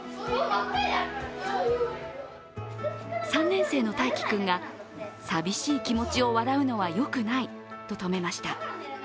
３年生の大喜君がさびしい気持ちを笑うのはよくないと止めました。